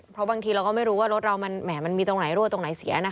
เพราะบางทีเราก็ไม่รู้ว่ารถเรามันแหมมันมีตรงไหนรั่วตรงไหนเสียนะ